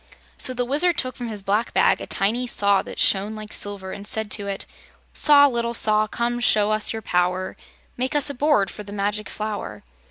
So the Wizard took from his black bag a tiny saw that shone like silver and said to it: "Saw, Little Saw, come show your power; Make us a board for the Magic Flower."